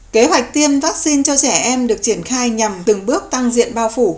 kế hoạch tiêm vaccine cho trẻ em được triển khai nhằm từng bước tăng diện bao phủ